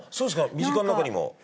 身近な中にも。